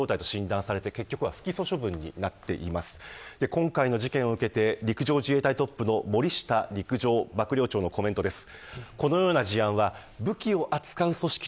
今回の事件を受けて陸上自衛隊トップの森下陸上幕僚長のコメントです。